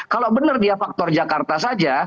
kalau benar dia faktor jakarta saja